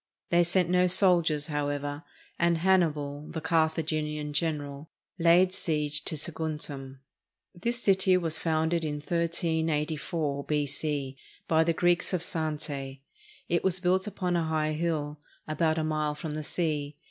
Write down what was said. They sent no soldiers, however, and Hannibal, the Carthaginian general, laid siege to Saguntum. This city was founded 1384 B.C., by the Greeks of Zante. It was built upon a high hill, about a mile from the sea.